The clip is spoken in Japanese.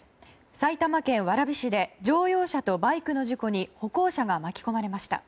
埼玉県蕨市で乗用車とバイクの事故に歩行者が巻き込まれました。